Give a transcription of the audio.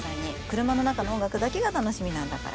車の中の音楽だけが楽しみなんだから。